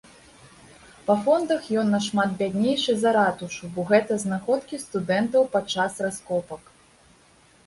Па фондах ён нашмат бяднейшы за ратушу, бо гэта знаходкі студэнтаў падчас раскопак.